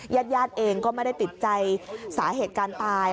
ญาติญาติเองก็ไม่ได้ติดใจสาเหตุการณ์ตาย